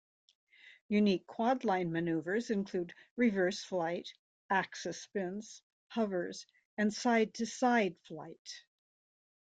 Unique quadline maneuvers include reverse flight, axis spins, hovers, and side to side flight.